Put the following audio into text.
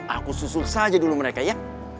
aku susuk saja dulu mereka ya